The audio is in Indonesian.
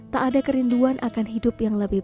tak ada kerinduan akan hidup yang lebih baik